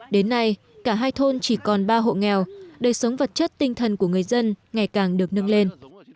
đến nay cả hai thôn chỉ còn ba hộ nghèo đời sống vật chất tinh thần của người dân ngày càng được nâng lên